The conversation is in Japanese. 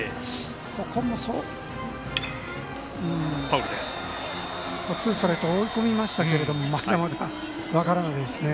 ここも、ツーストライクと追い込みましたがまだまだ分からないですね。